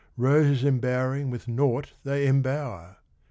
Roses embowering with naught they embower!